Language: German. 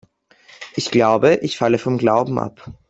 Ich glaube, ich falle vom Glauben ab.